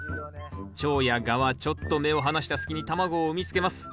チョウやガはちょっと目を離した隙に卵を産みつけます。